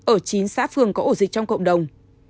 ở chín xã phường có ổ dịch trong cộng đồng